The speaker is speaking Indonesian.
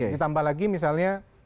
ditambah lagi misalnya